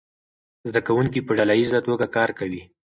زده کوونکي په ډله ییزه توګه کار کوي.